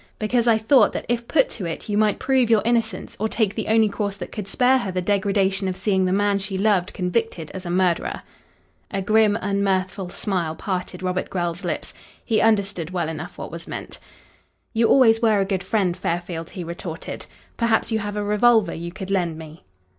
Because I thought that if put to it you might prove your innocence or take the only course that could spare her the degradation of seeing the man she loved convicted as a murderer." A grim unmirthful smile parted Robert Grell's lips. He understood well enough what was meant. "You always were a good friend, Fairfield," he retorted. "Perhaps you have a revolver you could lend me."